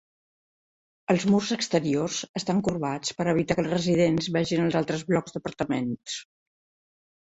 Els murs exteriors estan corbats per evitar que els residents vegin els altres blocs d'apartaments.